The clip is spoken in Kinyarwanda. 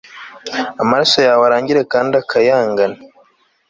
Amaso yawe arangire kandi akayangane